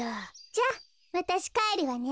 じゃあわたしかえるわね。